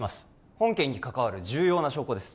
本件に関わる重要な証拠です